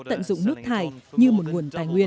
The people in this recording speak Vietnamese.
tận dụng nước thải như một nguồn tài nguyên